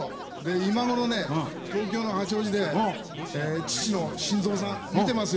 今頃、東京の八王子で父のしんぞうさん見てますよ。